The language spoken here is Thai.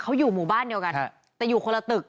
เขาอยู่หมู่บ้านเดียวกันแต่อยู่คนละตึก